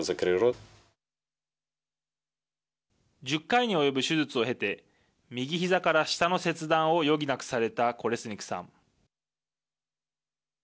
１０回に及ぶ手術を経て右ひざから下の切断を余儀なくされたコレスニクさん。